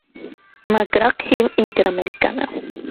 McGraw-Hill Interamericana.